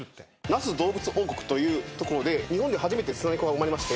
那須どうぶつ王国という所で日本で初めてスナネコが生まれまして最初に。